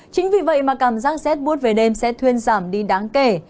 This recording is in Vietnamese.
chính vì vậy mà cảm giác z boot về đêm sẽ thuyên giảm đi đáng kể